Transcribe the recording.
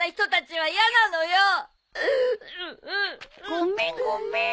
ごめんごめん。